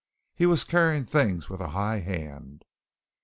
He was carrying things with a high hand.